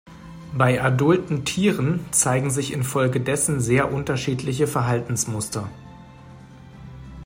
Bei adulten Tieren zeigen sich infolgedessen sehr unterschiedliche Verhaltensmuster.